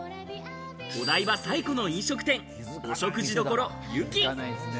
お台場最古の飲食店、お食事処ゆき。